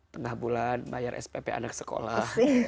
tengah bulan bayar spp anak sekolah